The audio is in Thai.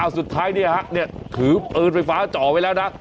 สุดท้ายเนี่ยฮะถือปืนไฟฟ้าจ่อไว้แล้วนะ